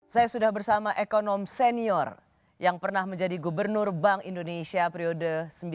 saya sudah bersama ekonom senior yang pernah menjadi gubernur bank indonesia periode seribu sembilan ratus sembilan puluh tiga seribu sembilan ratus sembilan puluh delapan